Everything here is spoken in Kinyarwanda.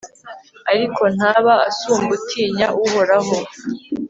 ariko ntaba asumba utinya uhoraho